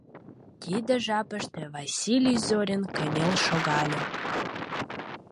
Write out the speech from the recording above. Тиде жапыште Василий Зорин кынел шогале.